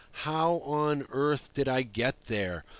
How on earth did I get there?